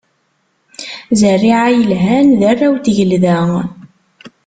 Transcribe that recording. Zerriɛa yelhan, d arraw n tgelda.